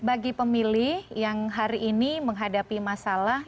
bagi pemilih yang hari ini menghadapi masalah